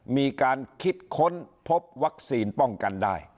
มีการคิดค้นพบวัคซีนป้องกันได้